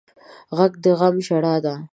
غږ د غم ژړا ده